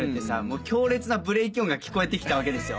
強烈なブレーキ音が聞こえてきたわけですよ